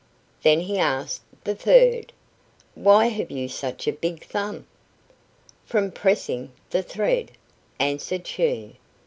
Then he asked the third: "Why have you such a big thumb?" "From pressing the thread," answered she.